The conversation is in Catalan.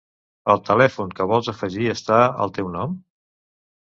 El telèfon que vols afegir està al teu nom?